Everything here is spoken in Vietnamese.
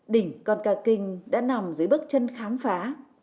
đỉnh con cà kinh đã nằm dưới bước chân khám phá